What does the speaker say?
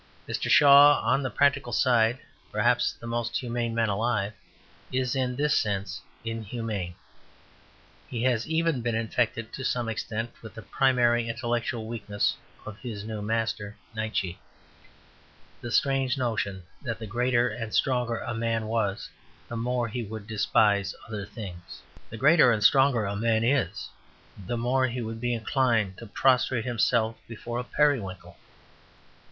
Mr. Shaw, on the practical side perhaps the most humane man alive, is in this sense inhumane. He has even been infected to some extent with the primary intellectual weakness of his new master, Nietzsche, the strange notion that the greater and stronger a man was the more he would despise other things. The greater and stronger a man is the more he would be inclined to prostrate himself before a periwinkle.